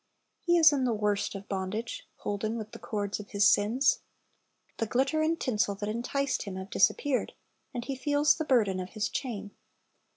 He is in the worst of bondage, — "holden with the cords of his sins.'" The glitter and tinsel that enticed him have disappeared, and he feels the burden of his chain.